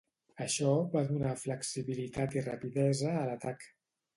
Això va donar flexibilitat i rapidesa a l'atac.